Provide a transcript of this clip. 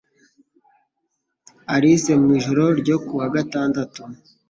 Alice mu ijoro ryo ku wa gatandatu